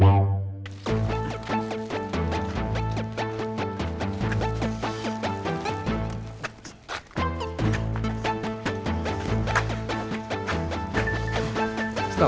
gitu gitu gitu gitu